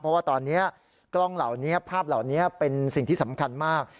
เพราะว่าตอนนี้กล้องเหล่านี้ภาพเหล่านี้เป็นสิ่งที่สำคัญมาก